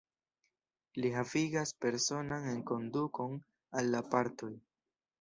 Li havigas personan enkondukon al la partoj.